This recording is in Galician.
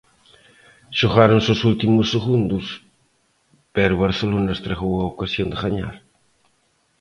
Xogáronse os últimos segundos, pero o Barcelona estragou a ocasión de gañar.